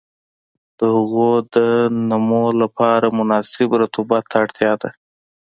د هغوی د نمو لپاره مناسب رطوبت ته اړتیا ده.